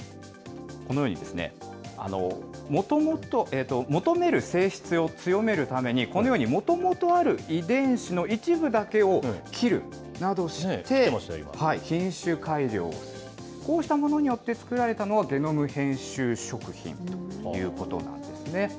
このように、求める性質を強めるために、このようにもともとある遺伝子の一部だけを切るなどして、品種改良をする、こうしたものによって作られたのがゲノム編集食品ということなんですね。